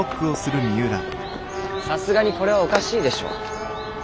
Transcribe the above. さすがにこれはおかしいでしょう。